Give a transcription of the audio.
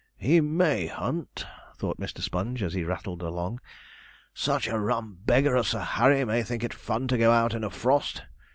'He may hunt,' thought Mr. Sponge, as he rattled along; 'such a rum beggar as Sir Harry may think it fun to go out in a frost.